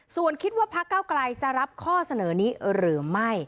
ส่วนคิดว่าพักเก้าไกลจะรับข้อเสนอนี้หรือไม่